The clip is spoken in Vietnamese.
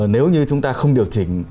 nếu như chúng ta không điều chỉnh